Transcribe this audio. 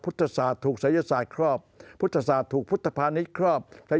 พุทธศาสตร์ถูกศัยศาสตร์ครอบพุทธศาสตร์ถูกพุทธภานิษฐครอบและ